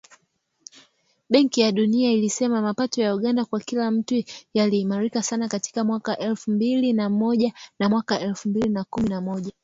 Benki ya Dunia ilisema mapato ya Uganda kwa kila mtu yaliimarika sana kati ya mwaka wa elfu mbili na moja na mwaka wa elfu mbili kumi na moja.